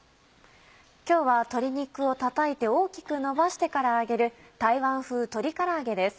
今日は鶏肉をたたいて大きくのばしてから揚げる「台湾風鶏から揚げ」です。